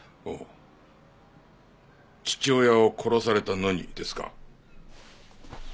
ほう父親を殺されたのにですか？